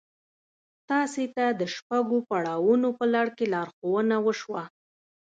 تاسې ته د شپږو پړاوونو په لړ کې لارښوونه وشوه.